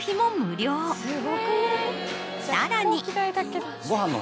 さらに。